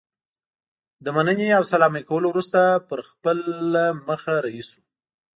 له مننې او سلامي کولو وروسته پر خپله مخه رهي شو.